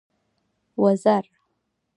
وزر.